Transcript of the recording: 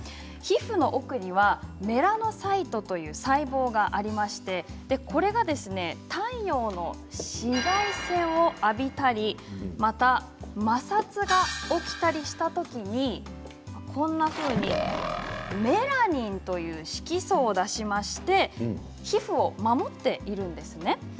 皮膚の奥にはメラノサイトという細胞がありましてこれが太陽の紫外線を浴びたりまた、摩擦が起きたりしたときにメラニンという色素を出しまして皮膚を守っているんです。